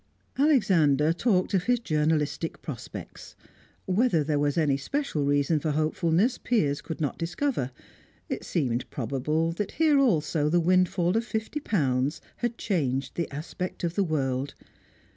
Alexander talked of his journalistic prospects. Whether there was any special reason for hopefulness, Piers could not discover; it seemed probable that here also the windfall of fifty pounds had changed the aspect of the world.